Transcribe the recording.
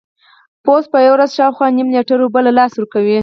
پوست په یوه ورځ شاوخوا نیم لیټر اوبه له لاسه ورکوي.